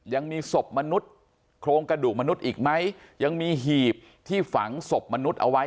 ยังมีศพมนุษย์โครงกระดูกมนุษย์อีกไหมยังมีหีบที่ฝังศพมนุษย์เอาไว้